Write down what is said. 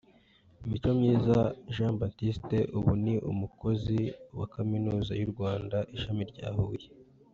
Micomyiza Jean Baptiste ubu ni umukozi wa Kaminuza y’u Rwanda ishami rya Huye